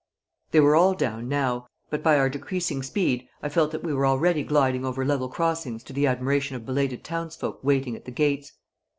They were all down now, but by our decreasing speed I felt that we were already gliding over level crossings to the admiration of belated townsfolk waiting at the gates.